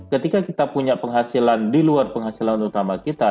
ketika kita punya penghasilan di luar penghasilan utama kita